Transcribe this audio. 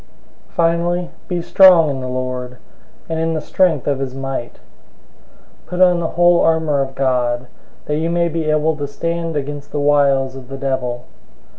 006:010 Finally, be strong in the Lord, and in the strength of his might. 006:011 Put on the whole armor of God, that you may be able to stand against the wiles of the devil.